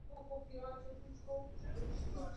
Žádná jeho součást nebyla experimentální.